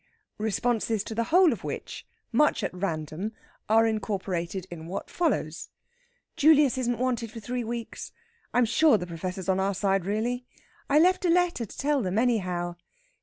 Responses to the whole of which, much at random, are incorporated in what follows: "Julius isn't wanted for three weeks." "I'm sure the Professor's on our side, really." "I left a letter to tell them, anyhow."